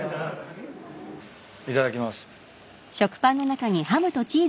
いただきます。